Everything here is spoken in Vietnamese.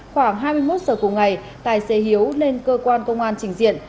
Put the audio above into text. khoảng hai mươi một giờ cùng ngày tài xế hiếu lên cơ quan công an trình diện